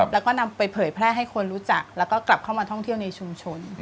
แล้วก็นำไปเผยแพร่ให้คนรู้จักแล้วก็กลับเข้ามาท่องเที่ยวในชุมชน